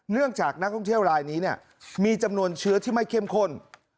จากนักท่องเที่ยวลายนี้มีจำนวนเชื้อที่ไม่เข้มข้น